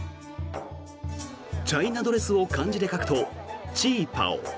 チャイナドレスを漢字で書くと旗袍。